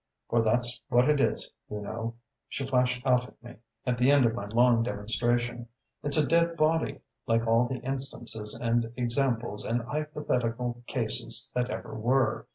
'For that's what it is, you know,' she flashed out at me, at the end of my long demonstration. 'It's a dead body, like all the instances and examples and hypothetical cases that ever were!